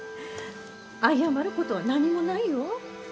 謝ることは何もないよ。